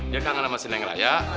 dia kangen sama senang raya